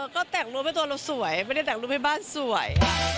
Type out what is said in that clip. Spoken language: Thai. ก็แต่งรูปให้ตัวเราสวยไม่ได้แต่งรูปให้บ้านสวย